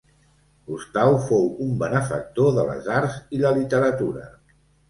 Gustau fou un benefactor de les arts i la literatura.